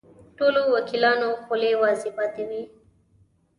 ټولو وکیلانو خولې وازې پاتې وې.